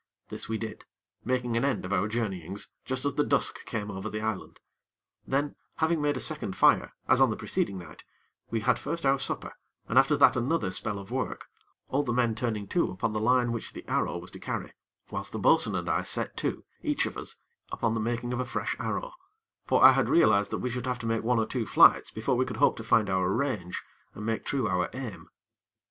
This we did, making an end of our journeyings just as the dusk came over the island. Then, having made a second fire, as on the preceding night, we had first our supper, and after that another spell of work, all the men turning to upon the line which the arrow was to carry, whilst the bo'sun and I set to, each of us, upon the making of a fresh arrow; for I had realized that we should have to make one or two flights before we could hope to find our range and make true our aim.